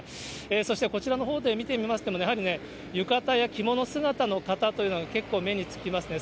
そしてこちらのほうで見てみましても、やはりね、浴衣や着物姿の方というのが結構目につきますね。